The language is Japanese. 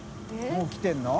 もう来てるの？